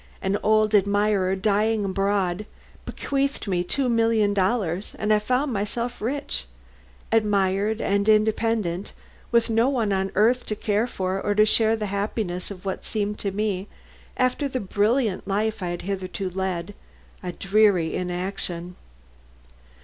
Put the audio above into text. An old admirer dying abroad bequeathed me two million dollars, and I found myself rich, admired and independent, with no one on earth to care for or to share the happiness of what seemed to me, after the brilliant life I had hitherto led, a dreary inaction.